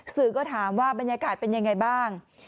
สื่อก็ถามว่าบรรยากาศเป็นยังไงบ้าง